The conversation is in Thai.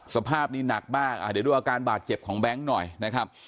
สภาพนี้หนักมากอ่ะเดี๋ยวด้วยอาการบาดเจ็บของหน่อยนะครับ